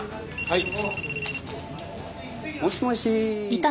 はい。